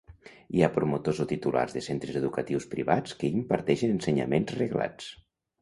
Hi ha promotors o titulars de centres educatius privats que imparteixen ensenyaments reglats.